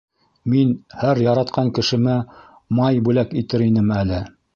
Мин һәр яратҡан кешемә май бүләк итер инем әле.